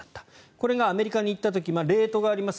これがアメリカに行った時レートがあります